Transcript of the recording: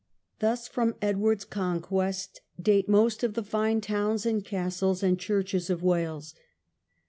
Thus from Edward's conquest date most of the fine towns, and castles, and churches of Wales.